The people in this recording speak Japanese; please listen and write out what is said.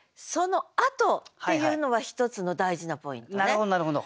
なるほどなるほど。